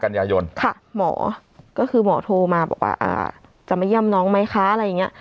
กันยายนค่ะหมอก็คือหมอโทรมาบอกว่าอ่าจะมาเยี่ยมน้องไหมคะอะไรอย่างเงี้ย